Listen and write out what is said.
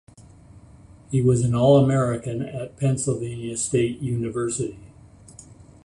He was an All-American at Pennsylvania State University.